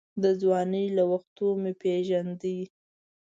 د ځوانۍ له وختو مې پېژاند.